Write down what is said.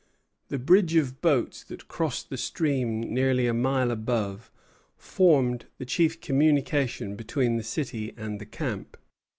The bridge of boats that crossed the stream nearly a mile above, formed the chief communication between the city and the camp.